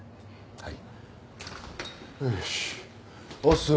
はい。